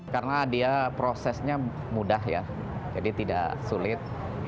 karena dia prosesnya mudah ya jadi tidak sulit